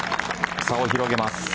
差を広げます。